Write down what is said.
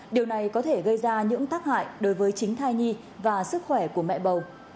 điều này có thể gây ra những tác hại đối với chính thai nhi và sức khỏe của mẹ bầu